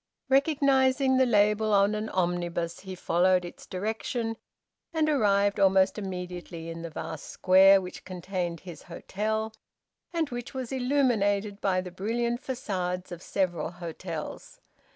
Recognising the label on an omnibus, he followed its direction, and arrived almost immediately in the vast square which contained his hotel, and which was illuminated by the brilliant facades of several hotels.